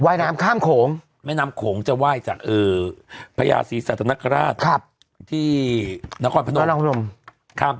วายน้ำข้ามโขงแม่น้ำโขงจะว่ายจากอือพระยาศิสัตว์นักราชครับที่นรกลมพันธุ์นรกลม